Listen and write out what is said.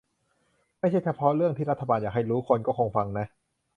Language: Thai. ไม่ใช่เฉพาะเรื่องที่รัฐบาลอยากให้รู้ คนก็คงฟังนะ